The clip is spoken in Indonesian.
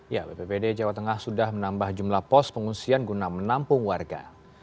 ya bppd jawa tengah sudah menambah jumlah pos pengungsian guna menampung warga